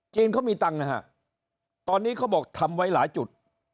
เขามีตังค์นะฮะตอนนี้เขาบอกทำไว้หลายจุด